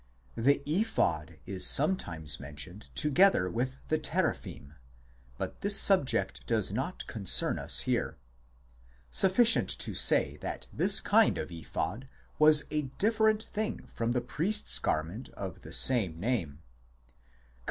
The Ephod is sometimes mentioned together with the Teraphim ; but this subject does not concern us here ; sufficient to say that this kind of Ephod was a different thing from the priest s garment of the same name (cp.